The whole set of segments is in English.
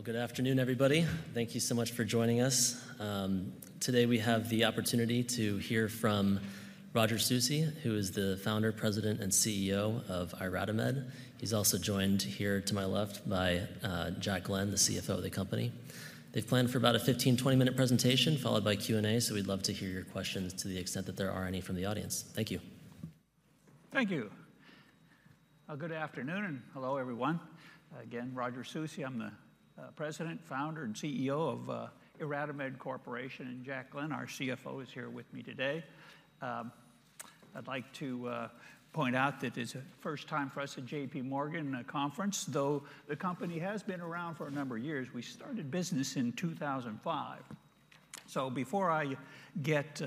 Well, good afternoon, everybody. Thank you so much for joining us. Today, we have the opportunity to hear from Roger Susi, who is the Founder, President, and CEO of IRadimed. He's also joined here to my left by, Jack Glenn, the CFO of the company. They've planned for about a 15 minute-20 minute presentation, followed by Q&A, so we'd love to hear your questions to the extent that there are any from the audience. Thank you. Thank you. Good afternoon, and hello, everyone. Again, Roger Susi, I'm the President, Founder, and CEO of IRadimed Corporation, and Jack Glenn, our CFO, is here with me today. I'd like to point out that it's the first time for us at JP Morgan in a conference, though the company has been around for a number of years. We started business in 2005. So before I get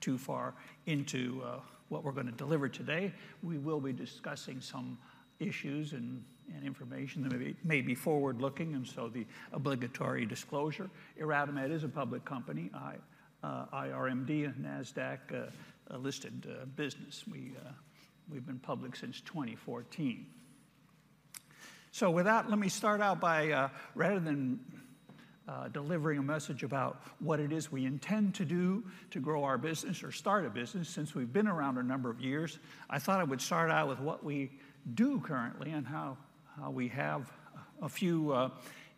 too far into what we're gonna deliver today, we will be discussing some issues and information that may be forward-looking, and so the obligatory disclosure, IRadimed is a public company, IRMD, a NASDAQ listed business. We've been public since 2014. So with that, let me start out by rather than delivering a message about what it is we intend to do to grow our business or start a business, since we've been around a number of years, I thought I would start out with what we do currently and how we have a few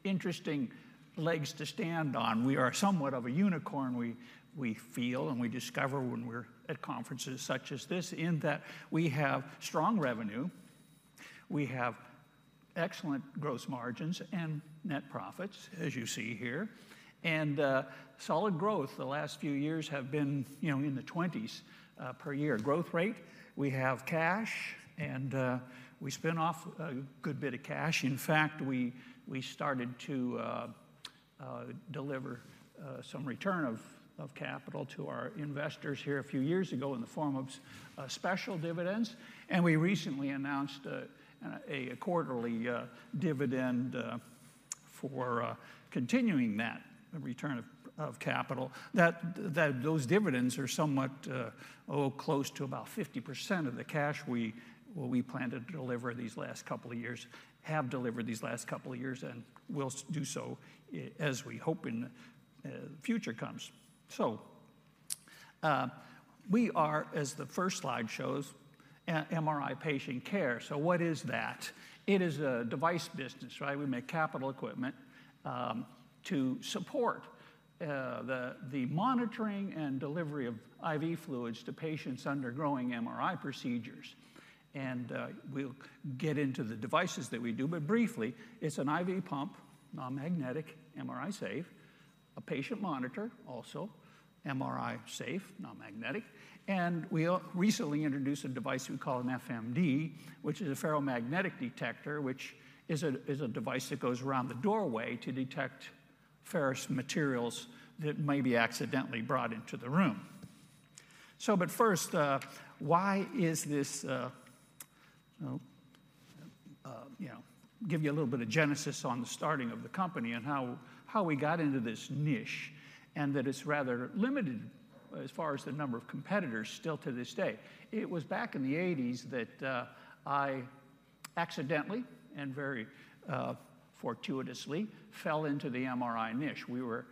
interesting legs to stand on. We are somewhat of a unicorn, we feel, and we discover when we're at conferences such as this, in that we have strong revenue, we have excellent gross margins and net profits, as you see here, and solid growth. The last few years have been, you know, in the 20s per year growth rate. We have cash, and we spin off a good bit of cash. In fact, we started to deliver some return of capital to our investors here a few years ago in the form of special dividends, and we recently announced a quarterly dividend for continuing that return of capital. That those dividends are somewhat close to about 50% of the cash we, well, we plan to deliver these last couple of years, have delivered these last couple of years, and will do so as we hope in future comes. So, we are, as the first slide shows, an MRI patient care. So what is that? It is a device business, right? We make capital equipment to support the monitoring and delivery of IV fluids to patients undergoing MRI procedures. We'll get into the devices that we do, but briefly, it's an IV pump, non-magnetic, MRI-safe, a patient monitor, also MRI-safe, non-magnetic, and we recently introduced a device we call an FMD, which is a ferromagnetic detector, which is a device that goes around the doorway to detect ferrous materials that may be accidentally brought into the room. But first, why is this. You know, give you a little bit of genesis on the starting of the company and how we got into this niche, and that it's rather limited as far as the number of competitors still to this day. It was back in the 1980s that I accidentally and very fortuitously fell into the MRI niche. We were,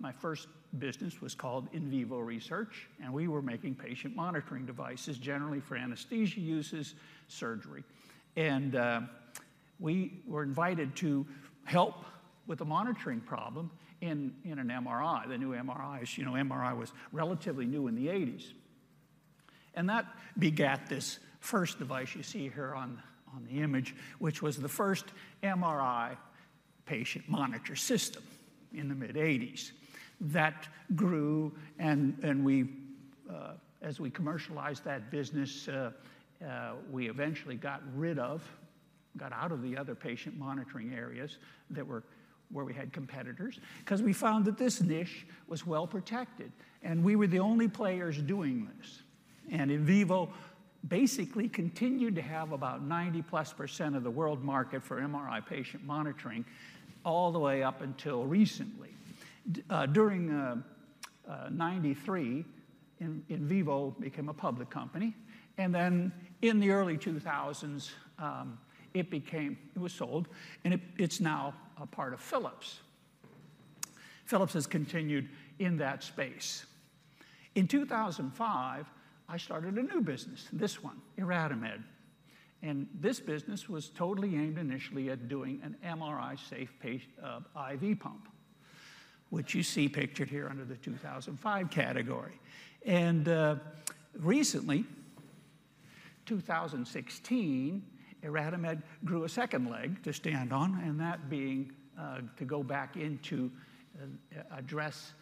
my first business was called Invivo Research, and we were making patient monitoring devices, generally for anesthesia uses, surgery. And, we were invited to help with a monitoring problem in, in an MRI, the new MRIs. You know, MRI was relatively new in the 1980s. And that begat this first device you see here on, on the image, which was the first MRI patient monitor system in the mid-eighties. That grew and, we, as we commercialized that business, we eventually got rid of, got out of the other patient monitoring areas that were where we had competitors, 'cause we found that this niche was well-protected, and we were the only players doing this. And Invivo basically continued to have about 90%+ of the world market for MRI patient monitoring all the way up until recently. During 1993, Invivo became a public company, and then in the early 2000s, it became it was sold, and it, it's now a part of Philips. Philips has continued in that space. In 2005, I started a new business, this one, IRadimed, and this business was totally aimed initially at doing an MRI safe patient IV pump, which you see pictured here under the 2005 category. And, recently, 2016, IRadimed grew a second leg to stand on, and that being, to go back in to, address,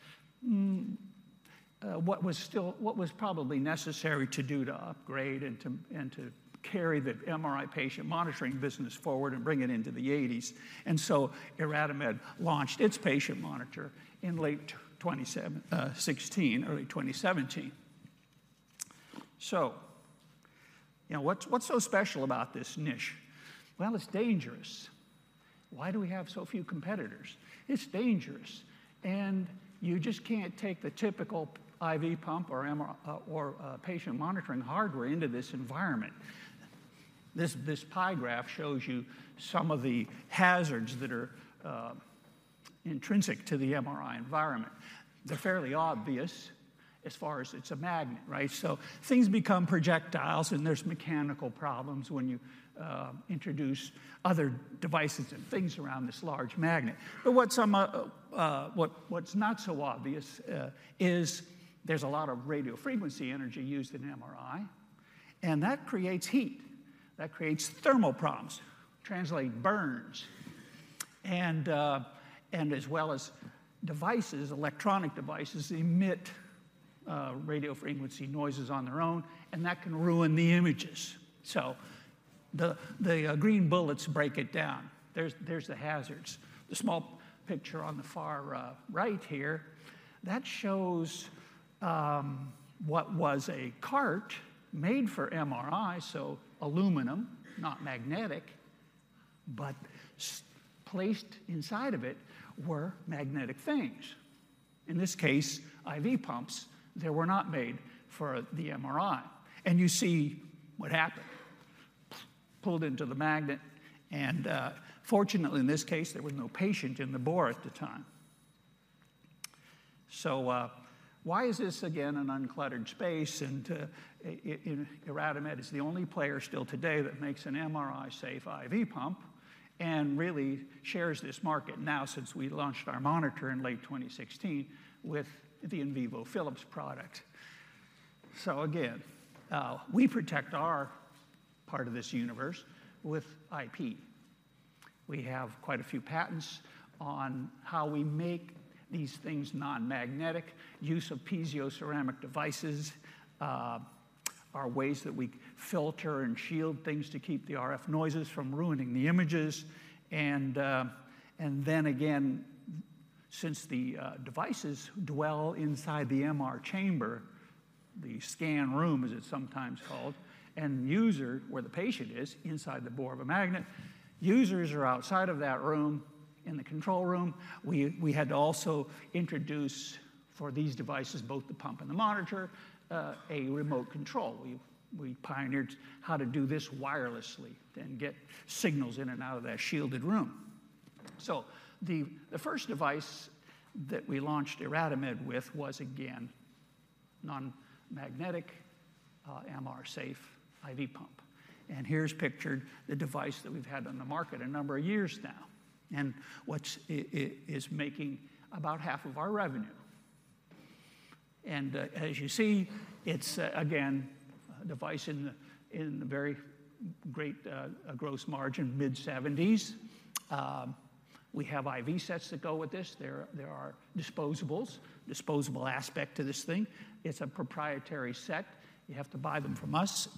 what was still what was probably necessary to do to upgrade and to, and to carry the MRI patient monitoring business forward and bring it into the 1980s. IRadimed launched its patient monitor in late 2016, early 2017. So, you know, what's so special about this niche? Well, it's dangerous. Why do we have so few competitors? It's dangerous, and you just can't take the typical IV pump or MRI or patient monitoring hardware into this environment. This pie chart shows you some of the hazards that are intrinsic to the MRI environment. They're fairly obvious as far as it's a magnet, right? So things become projectiles, and there's mechanical problems when you introduce other devices and things around this large magnet. But what's not so obvious is there's a lot of radio frequency energy used in MRI, and that creates heat, that creates thermal problems, translate: burns. And as well as devices, electronic devices emit radio frequency noises on their own, and that can ruin the images. So the green bullets break it down. There's the hazards. The small picture on the far right here, that shows what was a cart made for MRI, so aluminum, not magnetic, but placed inside of it were magnetic things. In this case, IV pumps that were not made for the MRI, and you see what happened, poof! Pulled into the magnet, and fortunately, in this case, there was no patient in the bore at the time. So, why is this, again, an uncluttered space, and IRadimed is the only player still today that makes an MRI safe IV pump and really shares this market now, since we launched our monitor in late 2016 with the Invivo Philips product. So again, we protect our part of this universe with IP. We have quite a few patents on how we make these things non-magnetic. Use of Piezo Ceramic devices are ways that we filter and shield things to keep the RF noises from ruining the images. And then again, since the devices dwell inside the MR chamber, the scan room, as it's sometimes called, and where the patient is, inside the bore of a magnet, users are outside of that room in the control room. We had to also introduce for these devices, both the pump and the monitor, a remote control. We pioneered how to do this wirelessly, then get signals in and out of that shielded room. So the first device that we launched IRadimed with was, again, non-magnetic, MR-safe IV pump. And here's pictured the device that we've had on the market a number of years now, and what is making about 1/2 of our revenue. And, as you see, it's, again, a device in a very great, a gross margin, mid-70s%. We have IV sets that go with this. There are disposables, disposable aspect to this thing. It's a proprietary set, you have to buy them from us,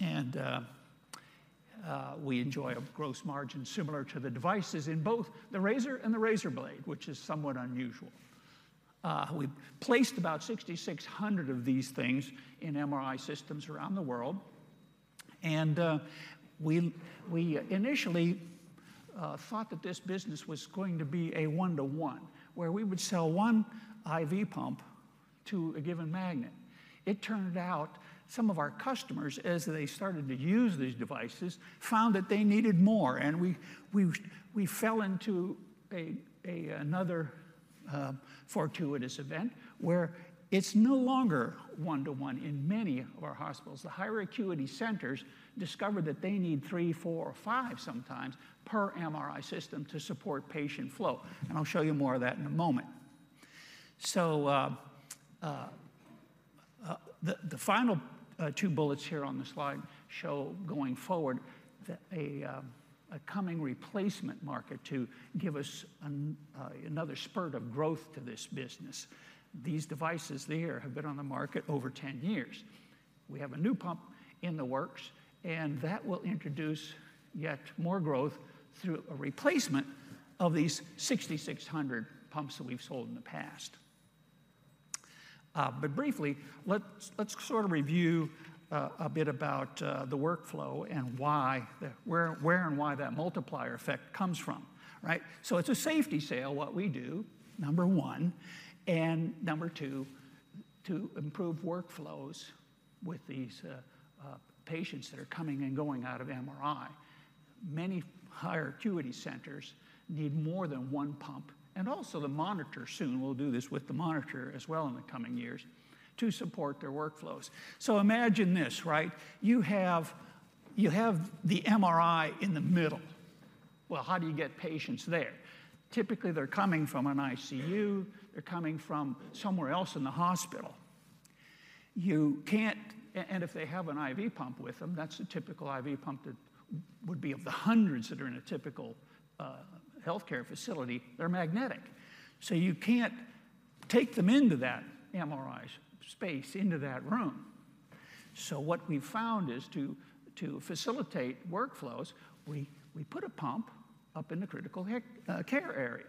and we enjoy a gross margin similar to the devices in both the razor and the razor blade, which is somewhat unusual. We've placed about 6,600 of these things in MRI systems around the world. We initially thought that this business was going to be a one-to-one, where we would sell one IV pump to a given magnet. It turned out some of our customers, as they started to use these devices, found that they needed more, and we fell into another fortuitous event, where it's no longer one-to-one in many of our hospitals. The higher acuity centers discovered that they need three, four, or five, sometimes, per MRI system to support patient flow, and I'll show you more of that in a moment. So, the final two bullets here on the slide show going forward, that a coming replacement market to give us another spurt of growth to this business. These devices there have been on the market over 10 years. We have a new pump in the works, and that will introduce yet more growth through a replacement of these 6,600 pumps that we've sold in the past. But briefly, let's sort of review a bit about the workflow and why, where and why that multiplier effect comes from, right? So it's a safety sale, what we do, number one, and number two, to improve workflows with these patients that are coming and going out of MRI. Many higher acuity centers need more than one pump, and also the monitor, soon we'll do this with the monitor as well in the coming years, to support their workflows. So imagine this, right? You have the MRI in the middle. Well, how do you get patients there? Typically, they're coming from an ICU, they're coming from somewhere else in the hospital. You can't—and if they have an IV pump with them, that's a typical IV pump that would be of the hundreds that are in a typical healthcare facility, they're magnetic, so you can't take them into that MRI space, into that room. So what we've found is to facilitate workflows, we put a pump up in the critical care area.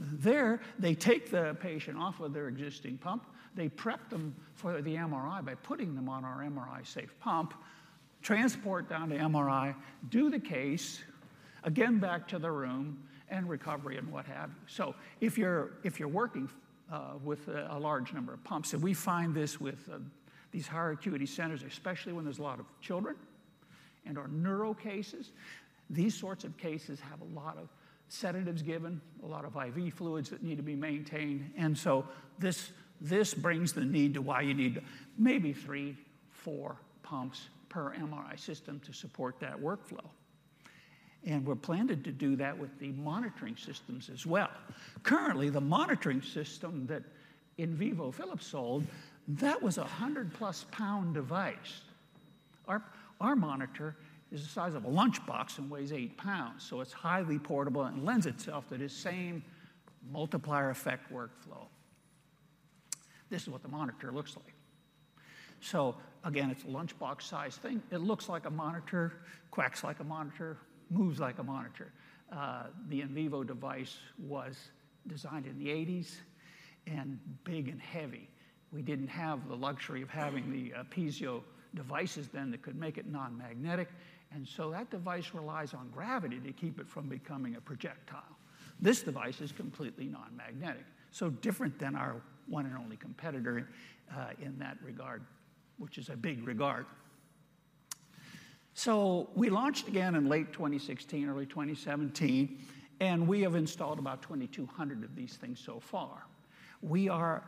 There, they take the patient off of their existing pump, they prep them for the MRI by putting them on our MRI safe pump, transport down to MRI, do the case, again back to the room, and recovery and what have you. So if you're working with a large number of pumps, and we find this with these higher acuity centers, especially when there's a lot of children and our neuro cases, these sorts of cases have a lot of sedatives given, a lot of IV fluids that need to be maintained, and so this brings the need to why you need maybe three, four pumps per MRI system to support that workflow. And we're planning to do that with the monitoring systems as well. Currently, the monitoring system that Invivo Philips sold, that was a 100-plus pound device. Our monitor is the size of a lunchbox and weighs 8 lb, so it's highly portable and lends itself to this same multiplier effect workflow. This is what the monitor looks like. So again, it's a lunchbox-sized thing. It looks like a monitor, quacks like a monitor, moves like a monitor. The Invivo device was designed in the 1980s and big and heavy. We didn't have the luxury of having the Piezo devices then that could make it non-magnetic, and so that device relies on gravity to keep it from becoming a projectile. This device is completely non-magnetic, so different than our one and only competitor in that regard, which is a big regard. So we launched again in late 2016, early 2017, and we have installed about 2,200 of these things so far. We are,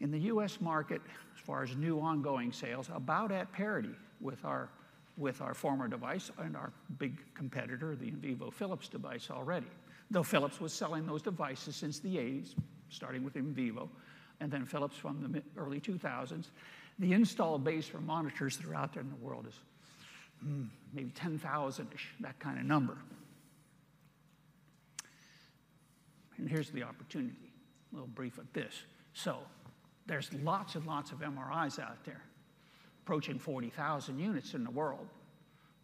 in the U.S. market, as far as new ongoing sales, about at parity with our, with our former device and our big competitor, the Invivo Philips device already. Though Philips was selling those devices since the 1980s, starting with Invivo and then Philips from the early 2000s. The installed base for monitors that are out there in the world is, maybe 10,000-ish, that kind of number. And here's the opportunity, a little brief of this. So there's lots and lots of MRIs out there, approaching 40,000 units in the world,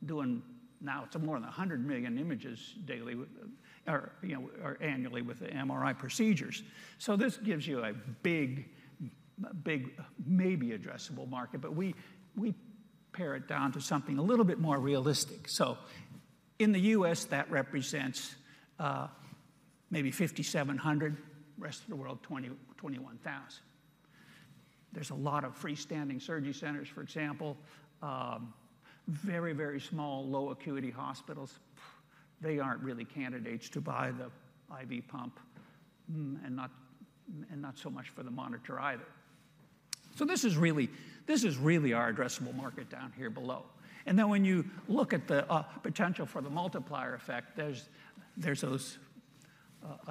doing now to more than 100 million images daily with, or, you know, or annually with the MRI procedures. So this gives you a big, big, maybe addressable market, but we, we pare it down to something a little bit more realistic. So in the U.S., that represents maybe 5,700, rest of the world, 20,000-21,000. There's a lot of freestanding surgery centers, for example, very, very small, low acuity hospitals. They aren't really candidates to buy the IV pump, and not so much for the monitor either. So this is really, this is really our addressable market down here below. And then when you look at the potential for the multiplier effect, there's those,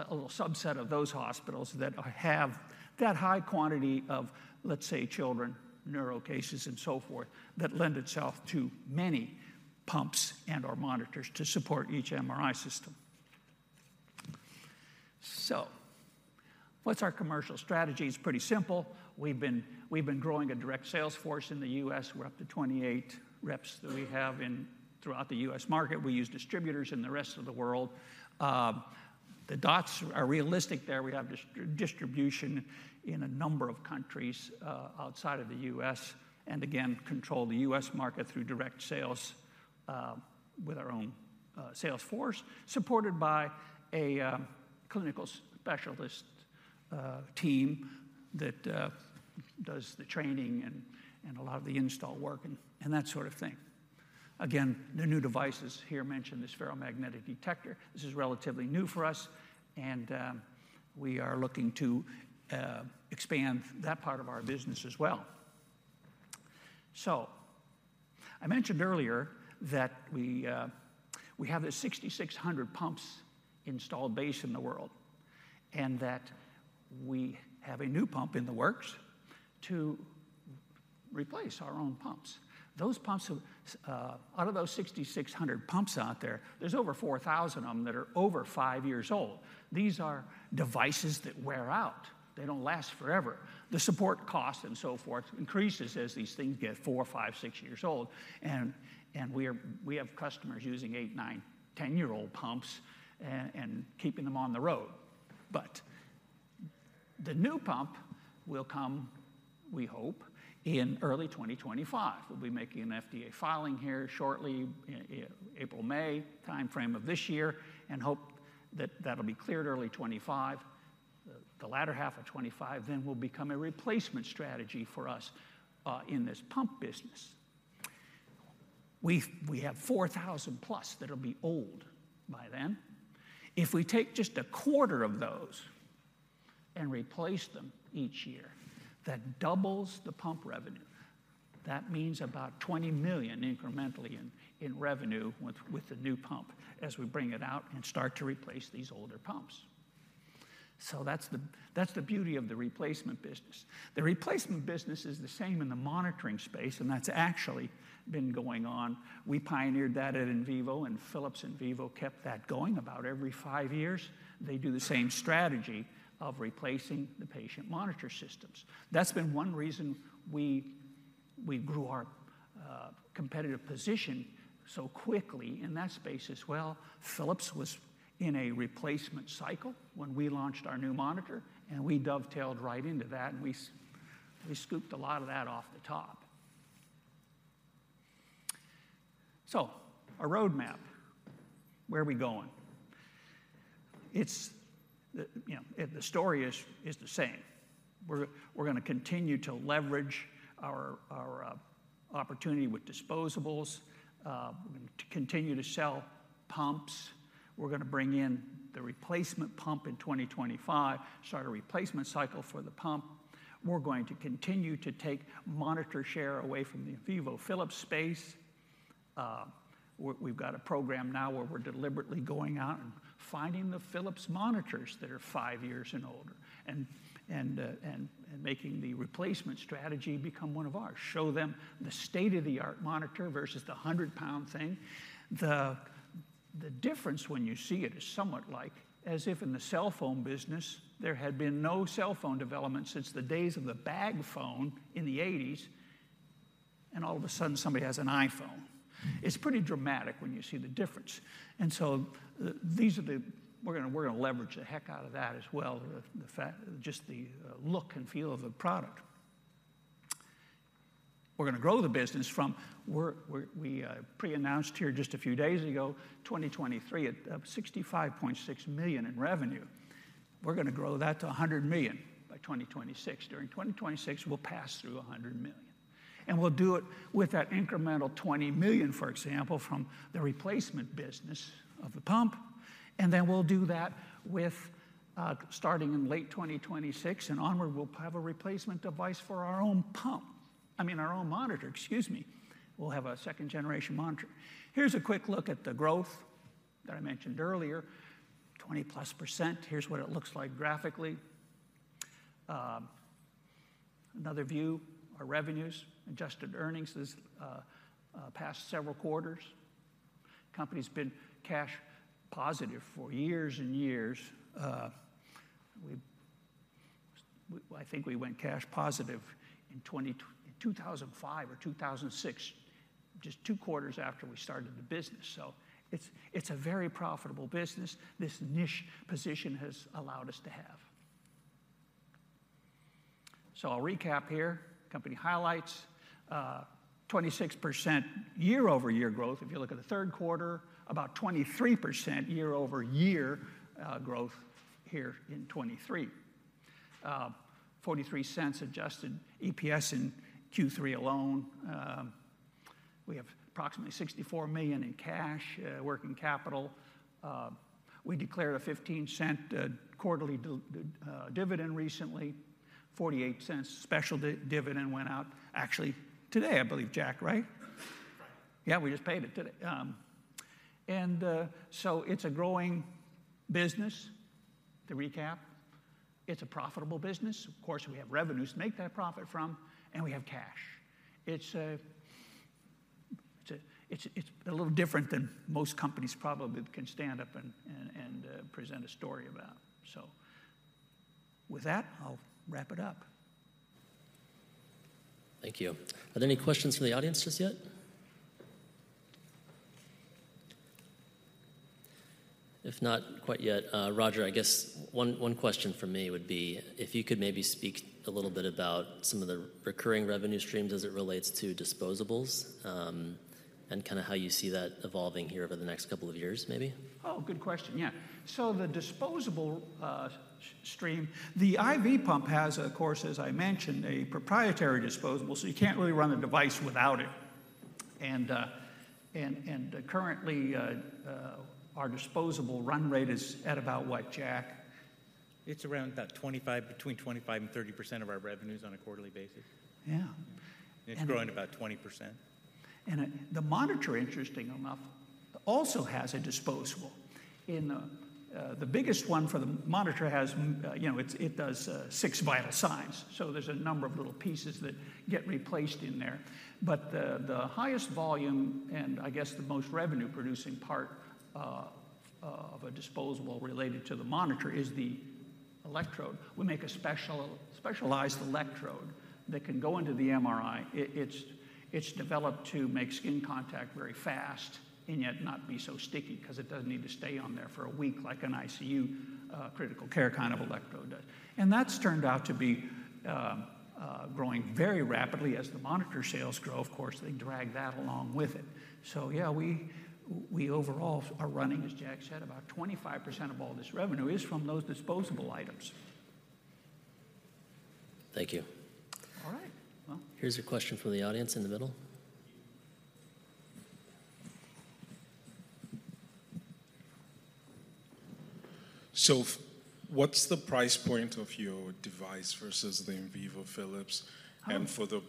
a little subset of those hospitals that have that high quantity of, let's say, children, neuro cases, and so forth, that lend itself to many pumps and/or monitors to support each MRI system. So what's our commercial strategy? It's pretty simple. We've been, we've been growing a direct sales force in the U.S.. We're up to 28 reps that we have in throughout the U.S. market. We use distributors in the rest of the world. The dots are realistic there. We have distribution in a number of countries outside of the U.S., and again, control the U.S. market through direct sales with our own sales force, supported by a clinical specialist team that does the training and a lot of the install work and that sort of thing. Again, the new devices here mention this ferromagnetic detector. This is relatively new for us, and we are looking to expand that part of our business as well. So I mentioned earlier that we have a 6,600 pumps installed base in the world, and that we have a new pump in the works to replace our own pumps. Those pumps, out of those 6,600 pumps out there, there's over 4,000 of them that are over five years old. These are devices that wear out. They don't last forever. The support cost and so forth increases as these things get four, five, six years old, and we have customers using eight, nine, 10-year-old pumps and keeping them on the road. But the new pump will come, we hope, in early 2025. We'll be making an FDA filing here shortly in April, May timeframe of this year, and hope that that'll be cleared early 2025. The latter half of 2025 then will become a replacement strategy for us, in this pump business. We have 4,000 plus that'll be old by then. If we take just a quarter of those and replace them each year, that doubles the pump revenue. That means about $20 million incrementally in revenue with the new pump as we bring it out and start to replace these older pumps. So that's the beauty of the replacement business. The replacement business is the same in the monitoring space, and that's actually been going on. We pioneered that at Invivo, and Philips Invivo kept that going. About every five years, they do the same strategy of replacing the patient monitor systems. That's been one reason we grew our competitive position so quickly in that space as well. Philips was in a replacement cycle when we launched our new monitor, and we dovetailed right into that, and we scooped a lot of that off the top. So our roadmap, where are we going? It's the, you know, and the story is the same. We're gonna continue to leverage our opportunity with disposables to continue to sell pumps. We're gonna bring in the replacement pump in 2025, start a replacement cycle for the pump. We're going to continue to take monitor share away from the Invivo Philips space. We've got a program now where we're deliberately going out and finding the Philips monitors that are five years and older, and making the replacement strategy become one of ours. Show them the state-of-the-art monitor versus the 100 lb thing. The difference when you see it is somewhat like as if in the cell phone business there had been no cell phone development since the days of the bag phone in the 1980s and all of a sudden somebody has an iPhone. It's pretty dramatic when you see the difference. And so these are the we're gonna leverage the heck out of that as well the fact just the look and feel of the product. We're gonna grow the business from... We pre-announced here just a few days ago 2023 at $65.6 million in revenue. We're gonna grow that to $100 million by 2026. During 2026, we'll pass through $100 million, and we'll do it with that incremental $20 million, for example, from the replacement business of the pump, and then we'll do that with, starting in late 2026 and onward, we'll have a replacement device for our own pump, I mean, our own monitor, excuse me. We'll have a second-generation monitor. Here's a quick look at the growth that I mentioned earlier, 20%+. Here's what it looks like graphically. Another view, our revenues. Adjusted earnings is past several quarters. Company's been cash positive for years and years. We, I think we went cash positive in 2005 or 2006, just two quarters after we started the business. So it's a very profitable business, this niche position has allowed us to have. So I'll recap here. Company highlights, 26% year-over-year growth. If you look at the third quarter, about 23% year-over-year growth here in 2023. $0.43 adjusted EPS in Q3 alone. We have approximately $64 million in cash working capital. We declared a $0.15 quarterly dividend recently, $0.48 special dividend went out actually today, I believe, Jack, right? Right. Yeah, we just paid it today. So it's a growing business, to recap. It's a profitable business. Of course, we have revenues to make that profit from, and we have cash. It's a little different than most companies probably can stand up and present a story about. So with that, I'll wrap it up. Thank you. Are there any questions from the audience just yet? If not quite yet, Roger, I guess one, one question from me would be if you could maybe speak a little bit about some of the recurring revenue streams as it relates to disposables, and kinda how you see that evolving here over the next couple of years, maybe? Oh, good question. Yeah. So the disposable. The IV pump has, of course, as I mentioned, a proprietary disposable, so you can't really run the device without it. And currently, our disposable run rate is at about what, Jack? It's around about 25%, between 25% and 30% of our revenues on a quarterly basis. Yeah. And it's growing about 20%. And the monitor, interestingly enough, also has a disposable. In the biggest one for the monitor has, you know, it does six vital signs, so there's a number of little pieces that get replaced in there. But the highest volume and I guess the most revenue-producing part of a disposable related to the monitor is the electrode. We make a specialized electrode that can go into the MRI. It's developed to make skin contact very fast and yet not be so sticky 'cause it doesn't need to stay on there for a week like an ICU critical care kind of electrode does. And that's turned out to be growing very rapidly. As the monitor sales grow, of course, they drag that along with it. So yeah, we overall are running, as Jack said, about 25% of all this revenue is from those disposable items. Thank you. All right. Well... Here's a question from the audience in the middle. What's the price point of your device versus the Invivo Philips, and for the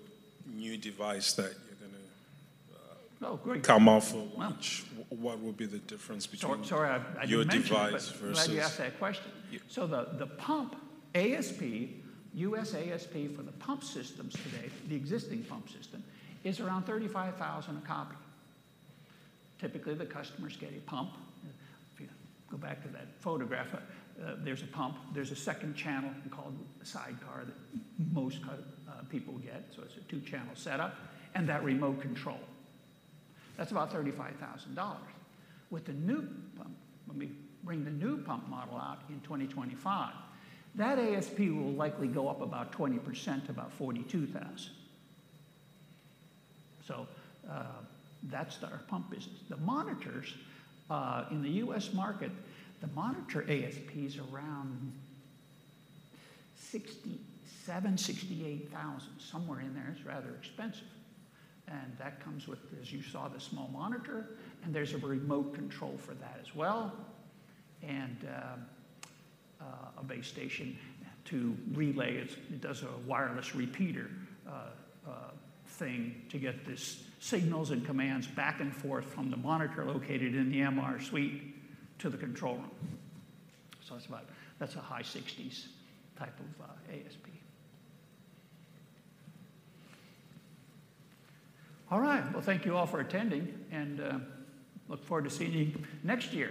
new device that you're gonna- Oh, great... come out for which, what would be the difference between- Sorry, I didn't mention- your device versus Glad you asked that question. Yeah. So the pump ASP, U.S. ASP for the pump systems today, the existing pump system, is around $35,000 a copy. Typically, the customers get a pump. If you go back to that photograph, there's a pump, there's a second channel called a sidecar that most people get, so it's a two-channel setup, and that remote control. That's about $35,000. With the new pump, when we bring the new pump model out in 2025, that ASP will likely go up about 20% to about $42,000. So that's our pump business. The monitors in the U.S. market, the monitor ASP is around $67,000-$68,000, somewhere in there. It's rather expensive. And that comes with, as you saw, the small monitor, and there's a remote control for that as well, and a base station to relay it. It does a wireless repeater thing to get the signals and commands back and forth from the monitor located in the MR suite to the control room. So that's a high 60s type of ASP. All right. Well, thank you all for attending, and look forward to seeing you next year.